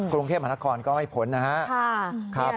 กรุงเทพมหานครก็ไม่พ้นนะครับ